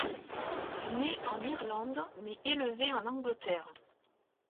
Né en Irlande mais élevé en Angleterre.